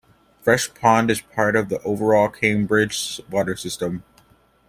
Fresh Pond is part of the overall Cambridge water system.